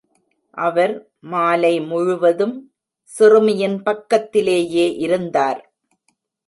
அவர் மாலை முழுவதும் சிறுமியின் பக்கத்திலேயே இருந்தார்.